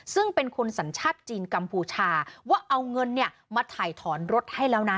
ซึ่งเป็นคนสัญชาติจีนกัมพูชาว่าเอาเงินมาถ่ายถอนรถให้แล้วนะ